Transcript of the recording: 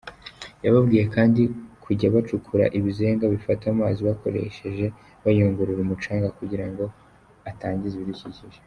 Yababwiye kandi kujya bacukura ibizenga bifata amazi bakoresheje bayungurura umucanga kugira ngo atangiza ibidukikije.